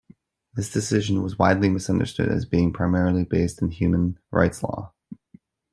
This decision was widely misunderstood as being primarily based in human rights law.